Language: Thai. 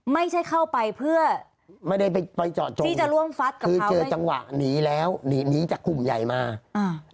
ไม่ใช่เข้าไปเพื่อไม่ได้ไปไปเจาะจงที่จะร่วมฟัดกันคือเจอจังหวะหนีแล้วหนีหนีจากกลุ่มใหญ่มาอ่า